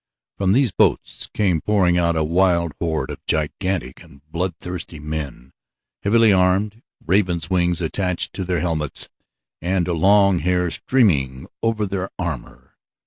From these boats came pouring out a wild horde of gigantic and bloodthirsty men, heavily armed, ravens' wings attached to their helmets and long hair streaming over their armor.